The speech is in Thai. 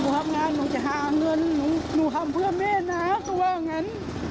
ทำงานหนูจะหาเงินหนูทำเพื่อแม่นะเขาว่างั้น